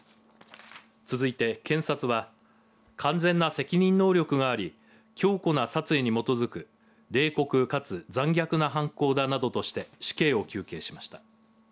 続いて、検察は完全な責任能力があり強固な殺意に基づく冷酷かつ残虐な犯行だなどとして死刑を求刑しました。